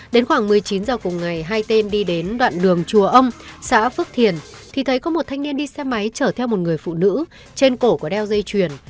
đến khoảng một mươi chín h cùng ngày hai tên đi đến đoạn đường chùa ông xã phước thiền thì thấy có một thanh niên đi xe máy chở theo một người phụ nữ trên cổ có đeo dây chuyền